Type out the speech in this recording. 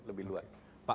oke pak kabarnya seperti apa